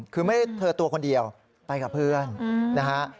คือไม่เธอตัวคนเดียวไปกับเพื่อนนะฮะ